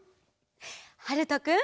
はるとくん。